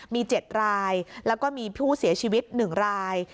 มี๗รายแล้วก็มีผู้เสียชีวิต๑ราย